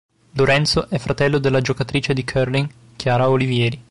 Lorenzo è fratello della giocatrice di curling Chiara Olivieri.